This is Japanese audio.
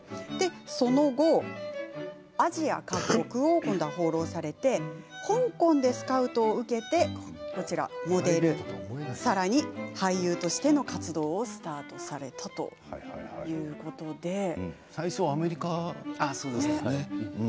その後、アジア各国を放浪されて香港でスカウトを受けてモデル、さらに俳優としての活動をスタートされたということですね。